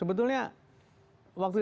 sebetulnya waktu itu